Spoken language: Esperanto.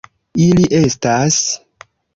Ili estas.